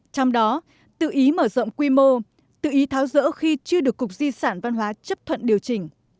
trong đó tự ý mở rộng quy mô tự ý tháo rỡ khi chưa được cục di sản văn hóa chấp thuận điều chỉnh